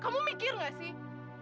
kamu mikir gak sih